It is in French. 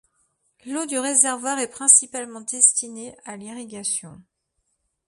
L'eau du réservoir est principalement destinée à l'irrigation.